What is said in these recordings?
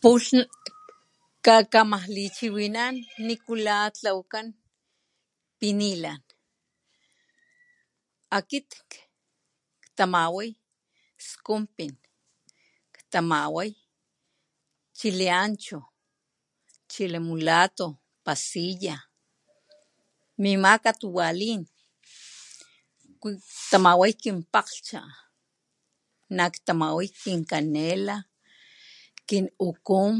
Pulh kamakalichiwinán nikula tlawakan pinila akit ktamaway skuy pin ktamaway chile ancho chile mulato pasiya mimaka tuwalin ktamaway kinpakglhcha naktamaway kinkanela kinukun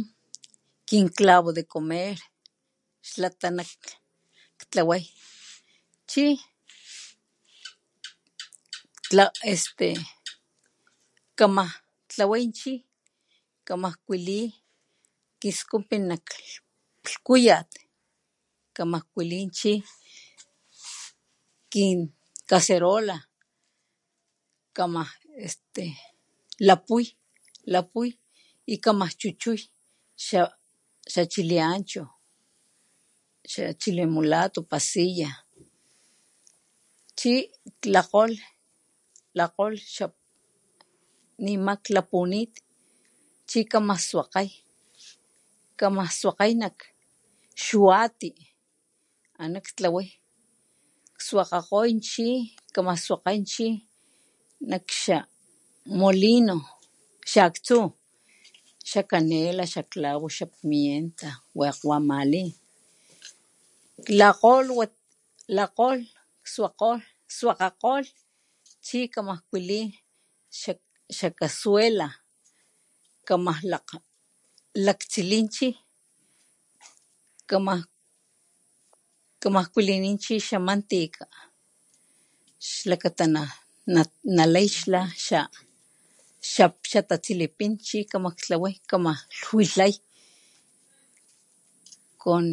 kinklavo de comer xlakata nak tlaway chi lakg este kama tlaway kama kualiy kisupin nak lhkutay kamakuaki chi kin kaserola kama este pupuy kama chuchuy xachile ancho xachile mulato pasiya chi klakgoy nema klapunit chi kamaswakg kamaswakgay nak xwati ana tlaway kwakgakgoy chi kama swakgay chi nakxa mulinu xaaktsu xakanela xaclavo xapimienta wakg wa klakgolh swakgakgohl chi kama waliy xakasuela kama laktsiliy chi kamaj kualini chi xamantica xlakata nalay chi xatatsili pin kamay tlaway kama kuatlay con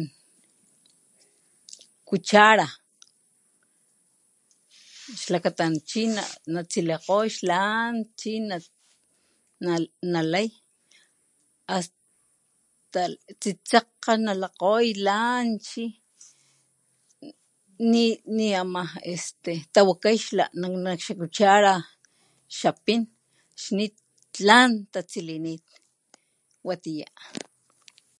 kuchara xlakata chi natsilikgoy tlan chi nalay asta tsitsakga nalakgoy lan chi ni amay tawakay chi nak xa cuchara xapin tlan tastilinit watiya.